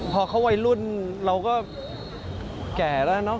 พอเขาวัยรุ่นเราก็แก่แล้วเนอะ